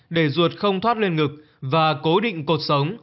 để ruột không thoát lên ngực và cố định cuộc sống